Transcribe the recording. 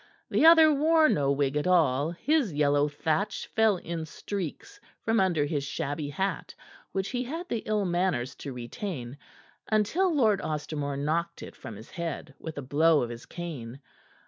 The other wore no wig at all; his yellow thatch fell in streaks from under his shabby hat, which he had the ill manners to retain until Lord Ostermore knocked it from his head with a blow of his cane.